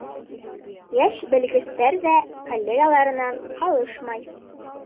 Йәш белгестәр ҙә коллегаларынан ҡалышмай.